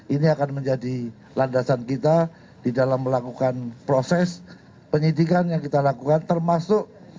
ini akan menjadi landasan kita di dalam melakukan proses penyidikan yang kita lakukan termasuk